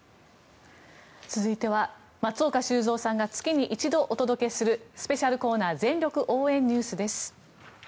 続いては、松岡修造さんが月に一度お届けするスペシャルコーナー全力応援ＮＥＷＳです。